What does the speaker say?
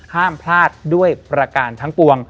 ห้ามพลาดด้วยประการทั้งปวง